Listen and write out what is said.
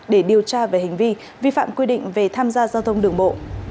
để điều tra về hành vi vi phạm quy định về tham gia giao thông đường bộ